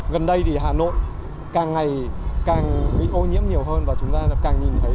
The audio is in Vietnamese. gần đây thì hà nội càng ngày càng bị ô nhiễm nhiều hơn và chúng ta càng nhìn thấy